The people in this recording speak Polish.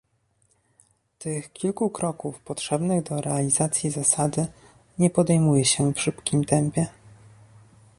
Tych kilku kroków potrzebnych do realizacji zasady nie podejmuje się w szybkim tempie